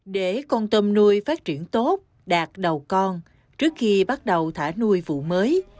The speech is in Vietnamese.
để con tôm nuôi phát triển tốt đạt đầu con trước khi bắt đầu thả nuôi vụ mới